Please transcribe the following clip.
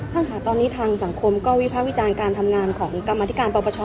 ท่านค่ะตอนนี้ทางสังคมก็วิภาควิจารณ์การทำงานของกรรมธิการปปช